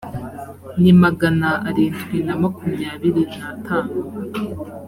ni magana arindwi na makumyabiri natanu